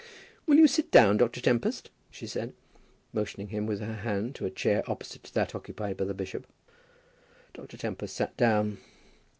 "Will you sit down, Dr. Tempest?" she said, motioning him with her hand to a chair opposite to that occupied by the bishop. Dr. Tempest sat down.